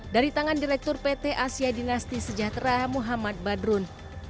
dari tangan direktur pt asia dinasti sejahtera muhammad badrun